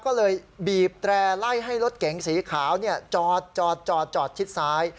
ก็เลยบีบแตร่ไล่ให้รถเก๋งสีขาวจอดชิดซ้าย